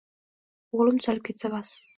O`g`lim tuzalib ketsa, bas